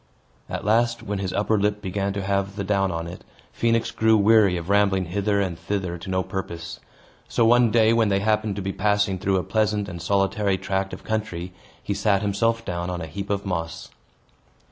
At last, when his upper lip began to have the down on it, Phoenix grew weary of rambling hither and thither to no purpose. So one day, when they happened to be passing through a pleasant and solitary tract of country, he sat himself down on a heap of moss.